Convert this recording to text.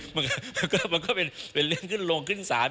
หรือมันก็เป็นเรื่องขึ้นโลงขึ้นสาร